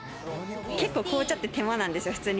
結構紅茶って手間なんですよ。